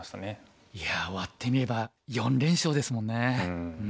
いや終わってみれば４連勝ですもんね。